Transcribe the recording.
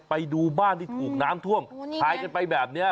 ไปดูบ้านที่ถูกน้ำท่วมพายกันไปแบบนี้